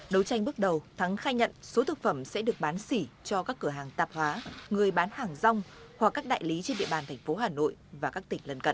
đấu tranh bước đầu thắng khai nhận số thực phẩm sẽ được bán xỉ cho các cửa hàng tạp hóa người bán hàng rong hoặc các đại lý trên địa bàn thành phố hà nội và các tỉnh lân cận